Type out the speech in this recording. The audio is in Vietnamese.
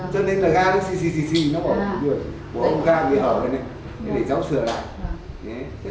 cho nên là ga nó xì xì xì xì nó bỏ vô vô vô vô ga bị hở lên đây để cháu sửa lại